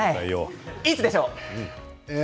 いつでしょう？